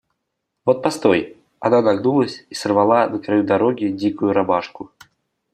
Вот постой.— Она нагнулась и сорвала на краю дороги дикую ромашку.